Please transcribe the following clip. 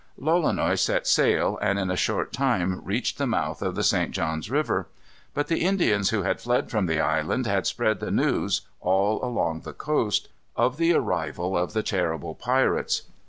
Lolonois set sail, and in a short time reached the mouth of the St. John's River. But the Indians, who had fled from the island, had spread the news, all along the coast, of the arrival of the terrible pirates.